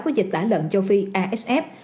có dịch đá lợn châu phi asf